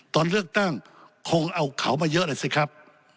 ตอนเลือกตั้งคงเอาเขามาเยอะแหละสิครับ